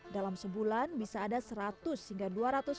dalam sebulan bisa ada seratus hingga dua ratus